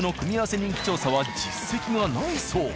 人気調査は実績がないそう。